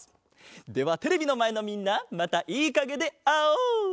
ではテレビのまえのみんなまたいいかげであおう！